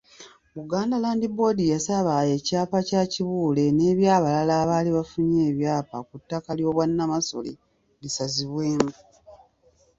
Buganda Land Board yasaba ekyapa kya Kibuule n’ebyabalala abaali bafunye ebyapa ku ttaka ly’obwannamasole bisazibwemu.